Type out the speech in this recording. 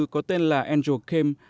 có tên là android camp